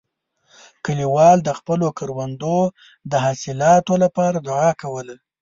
کلیوال د خپلو کروندو د حاصلاتو لپاره دعا کوله.